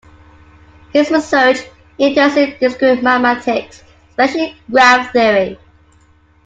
His research interest is in discrete mathematics, especially graph theory.